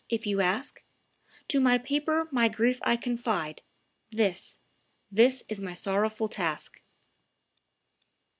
if you ask, To my paper my grief I confide This, this is my sorrowful task.